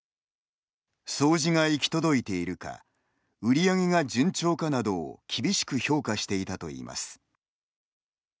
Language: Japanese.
掃除が行き届いているか売り上げが順調かなどを厳しく評価していたといいます。